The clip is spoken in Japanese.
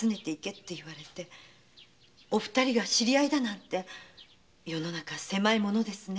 お二人が知り合いだなんて世の中狭いものですね。